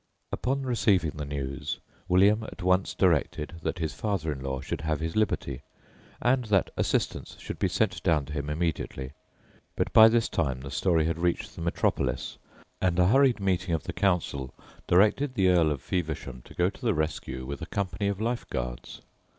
Upon receiving the news, William at once directed that his father in law should have his liberty, and that assistance should be sent down to him immediately; but by this time the story had reached the metropolis, and a hurried meeting of the Council directed the Earl of Feversham to go to the rescue with a company of Life Guards.